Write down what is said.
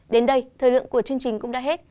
đến đây thời lượng của chương trình cũng đã hết